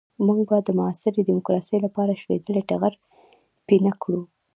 موږ به د معاصرې ديموکراسۍ لپاره شلېدلی ټغر پينه کړو.